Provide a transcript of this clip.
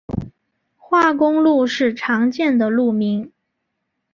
化工路是常见的路名。